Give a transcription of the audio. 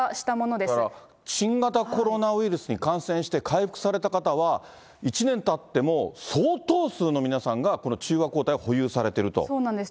だから新型コロナウイルスに感染して回復された方は、１年たっても、相当数の皆さんが、そうなんです。